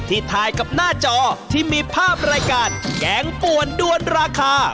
ถ่ายกับหน้าจอที่มีภาพรายการแกงป่วนด้วนราคา